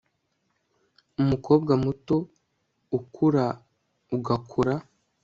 umukobwa muto ukura ugakura